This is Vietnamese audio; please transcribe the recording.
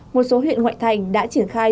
một số huyện ngoại thành đã triển khai